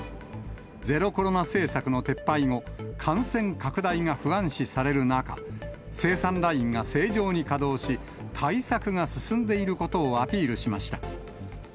ゼロコロナ政策の撤廃後、感染拡大が不安視される中、生産ラインが正常に稼働し、対策が進んでいることをアピールしました。